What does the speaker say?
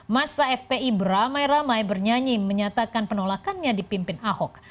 masa fpi beramai ramai bernyanyi menyatakan penolakannya dipimpin ahok